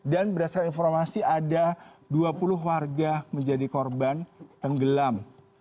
dan berdasarkan informasi ada dua puluh warga menjadi korban tenggelam